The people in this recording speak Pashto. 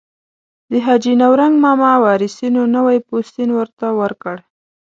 د حاجي نورنګ ماما وارثینو نوی پوستین ورته ورکړ.